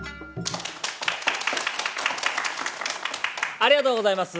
ありがとうございます。